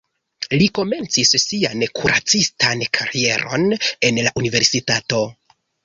Li komencis sian kuracistan karieron en la universitato.